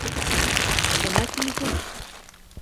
Бына телефоны.